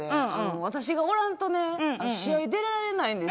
私がおらんとね、試合出られないんです。